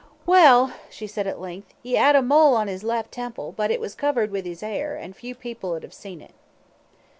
"Well," she said at length, "he 'ad a mole on his left temple, but it was covered with 'is 'air, an' few people 'ud 'ave seen it."